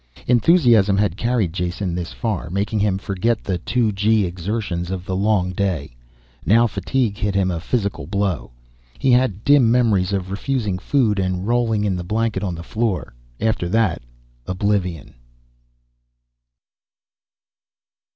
Enthusiasm had carried Jason this far, making him forget the two gee exertions of the long day. Now fatigue hit him a physical blow. He had dim memories of refusing food and rolling in the blanket on the floor. After that, oblivion.